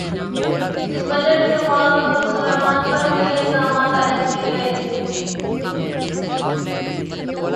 اس بحث میں مولانافضل الرحمن پر کئی الزامات عائد کئے گئے،